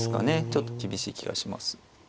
ちょっと厳しい気がします。